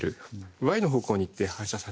ｙの方向に行って反射させる。